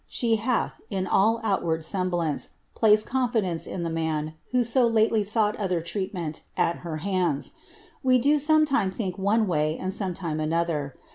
She hath, in all outward semblancf placed confidence in the man who so lately sought other treaimeni >i her hands; we do sometime think one wav and sometime anoibet.